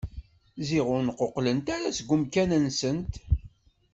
Ziɣ ur nquqlent ara seg umkan-nsent.